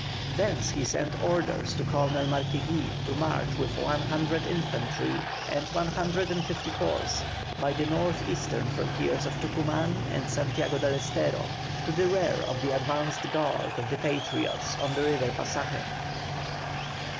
Thence he sent orders to Colonel Marquiegui to march with one hundred infantry and one hundred and fifty horse, by the north eastern frontiers of Tucuman and Santiago del Estero, to the rear of the advanced guard of the Patriots on the river Pasaje.